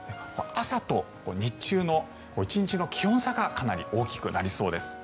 朝と日中の１日の気温差がかなり大きくなりそうです。